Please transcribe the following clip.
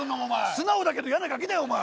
素直だけどやなガキだよお前。